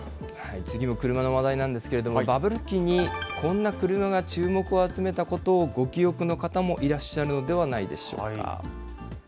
次も車の話題なんですけれども、バブル期にこんな車が注目を集めたことをご記憶の方もいらっしゃるのではないでしょうか。